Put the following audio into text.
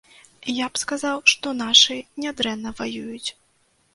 Я б сказаў, што нашыя нядрэнна ваююць.